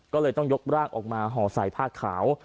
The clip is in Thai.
ก็เลยต้องยกร่างออกมาห่อใส่ผ้าขาว